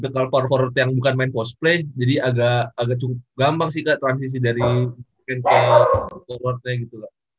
tipikal power forward yang bukan main post play jadi agak gampang sih ke transisi dari main ke forward nya gitu loh